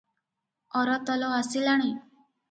ଅରତଲ ଆସିଲାଣି?